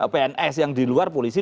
pns yang diluar polisi